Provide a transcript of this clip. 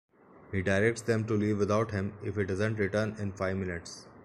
He directs them to leave without him if he doesn't return in five minutes.